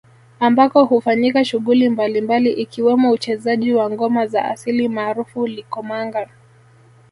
Ambako hufanyika shughuli mbalimbali ikiwemo uchezaji wa ngoma za asili maarufu Likomanga